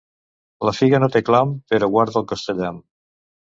La figa no té clam, però guarda el costellam.